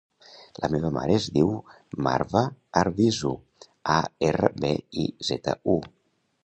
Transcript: La meva mare es diu Marwa Arbizu: a, erra, be, i, zeta, u.